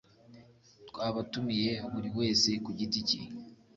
twabatumiye buri wese ku giti cye